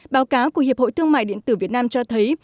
báo cáo của hiệp hội thương mại điện tử việt nam cho thấy